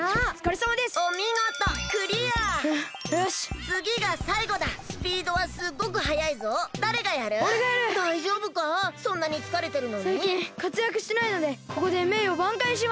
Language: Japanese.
さいきんかつやくしてないのでここでめいよばんかいします！